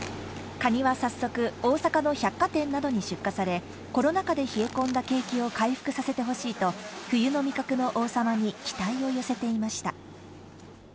カニは早速、大阪の百貨店などに出荷され、コロナ禍で冷え込んだ景気を回復させてほしいと、冬の味覚の王様に期待を寄せていました。